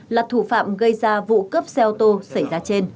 là thủ phạm gây ra vụ cướp xe ô tô xảy ra trên